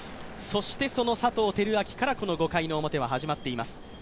そして佐藤輝明からこの５回の表は始まっています。